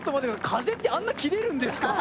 風ってあんな切れるんですか？